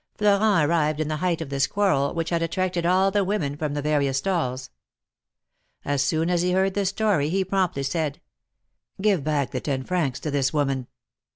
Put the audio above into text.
Florent arrived in the height of this quarrel, which had attracted all the women from the various stalls. As soon as he heard the story, he promptly said : Give back the ten francs to this woman."